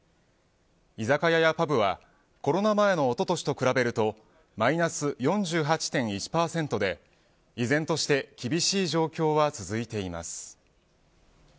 居酒屋やパブはコロナ前のおととしと比べるとマイナス４８．１％で依然として厳しい状況は続いています。